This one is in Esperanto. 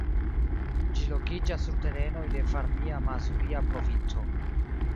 Ĝi lokiĝas sur terenoj de Varmia-Mazuria Provinco.